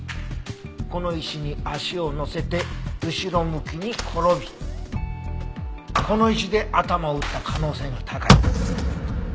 この石に足を乗せて後ろ向きに転びこの石で頭を打った可能性が高い。